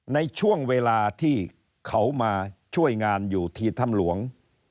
ในช่วงเวลาที่เขามาช่วยงานอยู่ที่ถ้ำหลวง